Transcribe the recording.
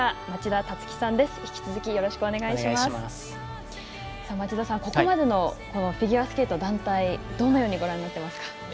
町田さん、ここまでのフィギュアスケート団体どのようにご覧になってますか？